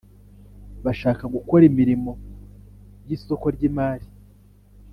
bashaka gukora imirimo y isoko ry imari